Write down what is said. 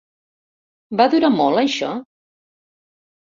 Va durar molt, això?